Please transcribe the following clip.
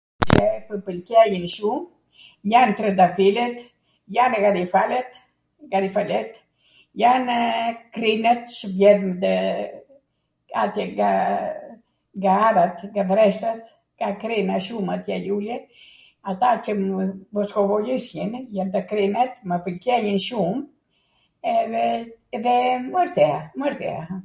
qw mw pwlqenin shum jan trandafilet, jan gharifalet, gharifaletw, janw krinet qw mbjedhwm nde, atje nga arat, nga vreshtat, ka krine shum, atje, ljulje, ata qw moskovolisjwn, krinet, mw pwlqenin shum, edhe mwrteja, mwrteja.